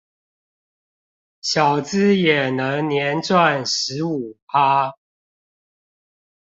小資也能年賺十五趴